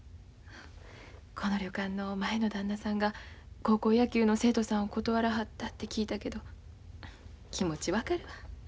この旅館の前の旦那さんが高校野球の生徒さんを断らはったって聞いたけど気持ち分かるわ。